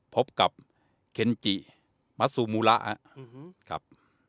พบกับเคนจิมัสซูมูระครับ